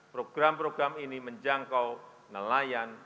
program program ini menjangkau nelayan